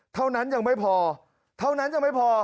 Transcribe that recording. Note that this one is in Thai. เท่านั้นยังไม่พอเท่านั้นยังไม่พอ